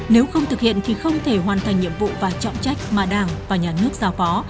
nếu không thực hiện thì không thể hoàn thành nhiệm vụ và trọng trách mà đảng và nhà nước giao phó